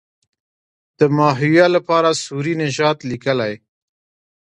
د ماهویه لپاره سوري نژاد لیکلی.